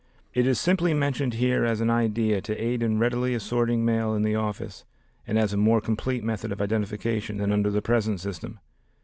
It is simply mentioned here as an idea to aid in readily assorting mail in the office and as a more complete method of identification than under the present system.